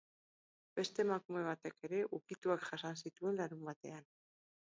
Beste emakume batek ere ukituak jasan zituen larunbatean.